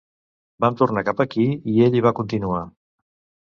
Vam tornar cap aquí i ell hi va continuar.